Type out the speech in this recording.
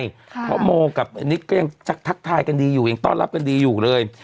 เพราะโมกับอันนี้ก็ยังทักทายกันดีอยู่ยังต้อนรับกันดีอยู่เลย